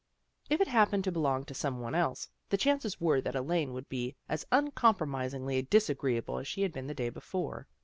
If it happened to belong to someone else, the chances were that Elaine would be as uncompromisingly disagreeable as she had been the day before.